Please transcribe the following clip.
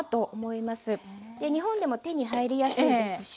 日本でも手に入りやすいですし。